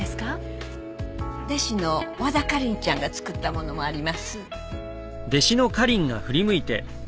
弟子の和田花梨ちゃんが作ったものもあります。